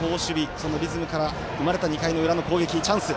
そのリズムから生まれた２回の裏の攻撃、チャンス。